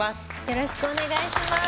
よろしくお願いします。